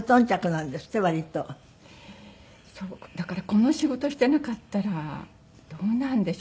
だからこの仕事してなかったらどうなんでしょう？